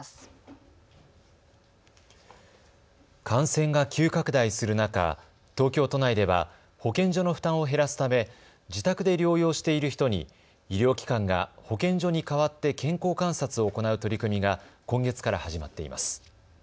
感染が急拡大する中、東京都内では保健所の負担を減らすため自宅で療養している人に医療機関が保健所に代わって健康観察を行う取り組みが今月から始まっています。